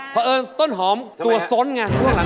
เพราะเอิญต้นหอมตัวส้นไงช่วงหลัง